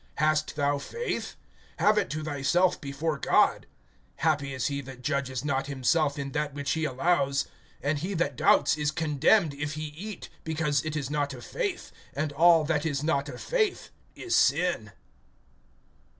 (22)Hast thou faith? Have it to thyself before God. Happy is he that judges not himself in that which he allows. (23)And he that doubts is condemned if he eat, because it is not of faith; and all that is not of faith is sin.